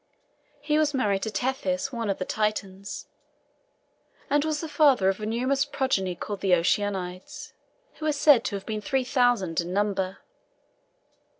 He was married to Tethys, one of the Titans, and was the father of a numerous progeny called the Oceanides, who are said to have been three thousand in number.